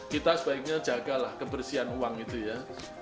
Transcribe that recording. kita sebaiknya jagalah kebersihan uang itu ya